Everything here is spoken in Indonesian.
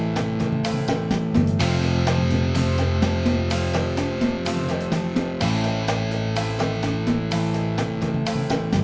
terima kasih om